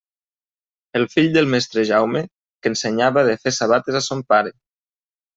El fill del mestre Jaume, que ensenyava de fer sabates a son pare.